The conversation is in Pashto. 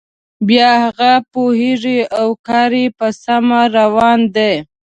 بیا هغه پوهیږي او کار یې په سمه روان دی.